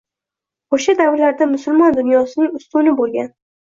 Oʻsha davrlarda musulmon dunyosining ustuni boʻlgan